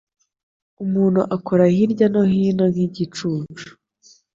Umuntu akora hirya no hino nk’igicucu